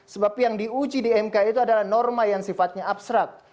sebab yang diuji di mk itu adalah norma yang sifatnya abstrak